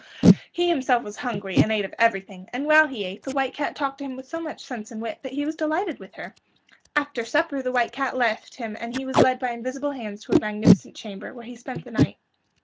He himself was hungry and ate of everything, and while he ate the White Cat talked to him with so much sense and wit that he was delighted with her. After supper the White Cat left him and he was led by invisible hands to a magnificent chamber, where he spent the night.